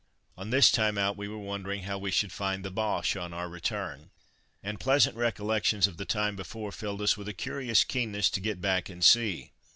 On this time out we were wondering how we should find the Boches on our return, and pleasant recollections of the time before filled us with a curious keenness to get back and see.